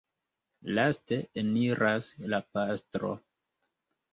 Laste eniras la pastro.